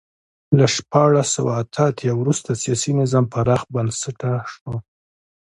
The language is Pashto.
له شپاړس سوه اته اتیا وروسته سیاسي نظام پراخ بنسټه شو.